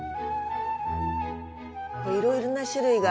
いろいろな種類が。